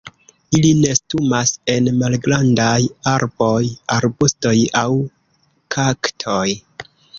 Ili nestumas en malgrandaj arboj, arbustoj aŭ kaktoj.